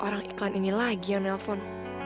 yah orang iklan ini lagi yang nelpon